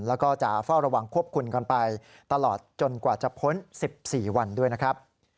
แล้วก็จะเฝ้าระวังควบคุมกันไปตลอดจนกว่าจะพ้น๑๔วันด้วยนะครับ